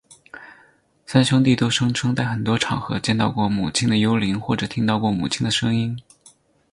三兄弟都声称在很多场合见到过母亲的幽灵或者听到过母亲的声音。